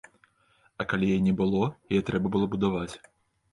А калі яе не было, яе трэба было будаваць.